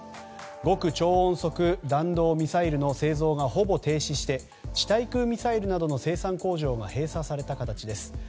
極超音速弾道ミサイルの製造がほぼ停止して地対空ミサイルなどの生産工場が閉鎖された形です。